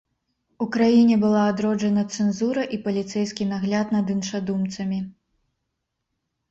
У краіне была адроджана цэнзура і паліцэйскі нагляд над іншадумцамі.